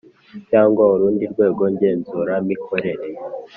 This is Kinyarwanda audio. Cyangwa urundi urwego ngenzuramikorere